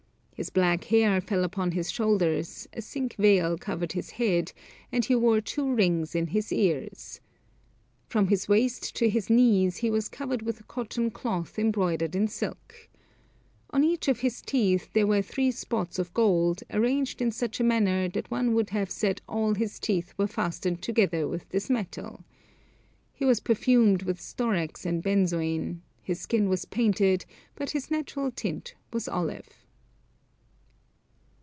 His black hair fell upon his shoulders; a silk veil covered his head, and he wore two rings in his ears. From his waist to his knees, he was covered with a cotten cloth embroidered in silk. On each of his teeth there were three spots of gold, arranged in such a manner that one would have said all his teeth were fastened together with this metal. He was perfumed with storax and benzoin. His skin was painted, but its natural tint was olive."